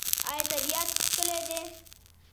آیا طبیعت ښکلی دی؟